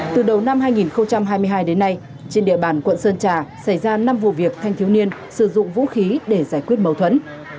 từ đầu năm hai nghìn hai mươi hai đến nay trên địa bàn quận sơn trà xảy ra năm vụ việc thanh thiếu niên sử dụng vũ khí để giải quyết mâu thuẫn